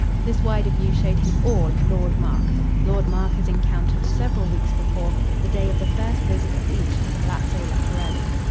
This wider view showed him ALL Lord Mark Lord Mark as encountered, several weeks before, the day of the first visit of each to Palazzo Leporelli.